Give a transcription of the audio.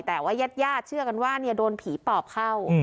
แต่ว่ายาดเชื่อกันว่าโดนผีปอบเข้า